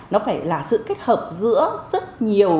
nó phải là sự kết hợp giữa rất nhiều